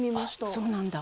あそうなんだ。